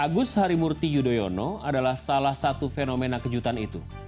agus harimurti yudhoyono adalah salah satu fenomena kejutan itu